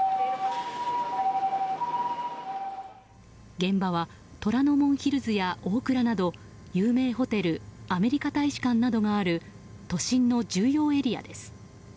現場は虎ノ門ヒルズやオークラなど有名ホテルアメリカ大使館などがある都心の重要エリアです。